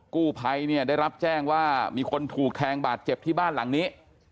กู้ภัยเนี่ยได้รับแจ้งว่ามีคนถูกแทงบาดเจ็บที่บ้านหลังนี้